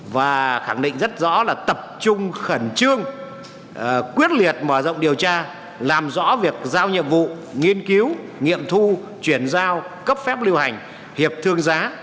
và khẳng định rất rõ là tập trung khẩn trương quyết liệt mở rộng điều tra làm rõ việc giao nhiệm vụ nghiên cứu nghiệm thu chuyển giao cấp phép lưu hành hiệp thương giá